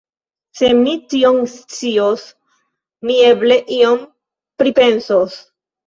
Se mi tion scios, mi eble ion pripensos.